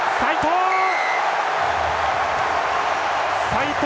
齋藤！